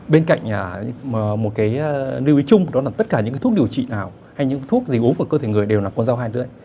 bên cạnh một cái lưu ý chung đó là tất cả những thuốc điều trị nào hay những thuốc gì uống vào cơ thể người đều là con dao hai lưỡi